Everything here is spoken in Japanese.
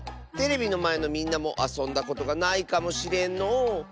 テレビのまえのみんなもあそんだことがないかもしれんのう。